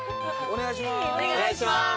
お願いします。